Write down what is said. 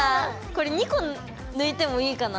これ２個抜いてもいいかな。